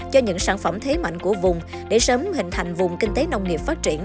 cho những sản phẩm thế mạnh của vùng để sớm hình thành vùng kinh tế nông nghiệp phát triển